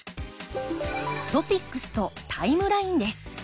トピックスとタイムラインです。